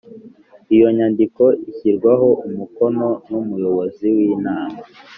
Iyo nyandiko Ishyirwaho umukono n’ Umuyobozi w’ inama